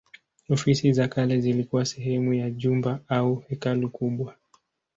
Ofisi za kale zilikuwa sehemu ya jumba au hekalu kubwa.